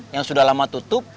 yang sudah lama tutup